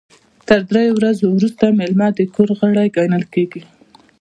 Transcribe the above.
تر دریو ورځو وروسته میلمه د کور غړی ګڼل کیږي.